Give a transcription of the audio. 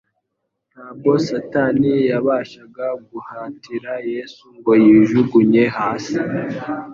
Ntabwo Satani yabashaga guhatira Yesu ngo yijugunye hasi.